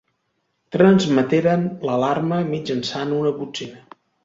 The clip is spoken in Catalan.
Transmeteren l'alarma mitjançant una botzina.